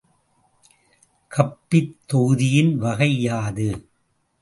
கப்பித் தொகுதியின் வகை யாது?